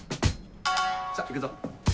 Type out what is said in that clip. さっ行くぞ。